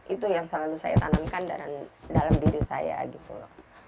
itu yang selalu saya tanamkan dalam diri saya gitu loh